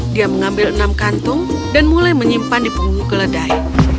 dia mengambil enam kantung dan mulai menyimpan di punggung keledai